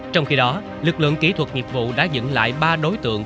trong khi đó lực lượng kỹ thuật nghiệp vụ đã dựng lại ba đối tượng